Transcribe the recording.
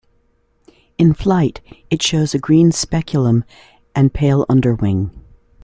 In flight, it shows a green speculum and pale underwing.